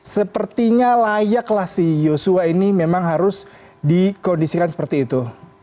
sepertinya layaklah si yosua ini memang harus dikondisikan seperti itu